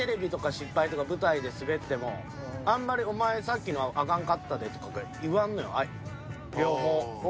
失敗とか舞台でスベってもあんまり「お前さっきのあかんかったで」とか言わんのよ両方。